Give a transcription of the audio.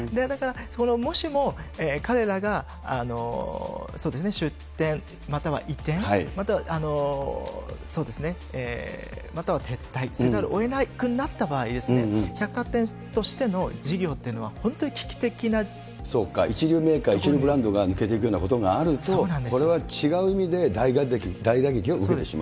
だからそのもしも、彼らがそうですね、出店、または移転、または撤退せざるをえなくなった場合、百貨店としての事業という一流メーカー、一流ブランドが抜けていくようなことがあると、これは違う意味で大打撃を生んでしまうと。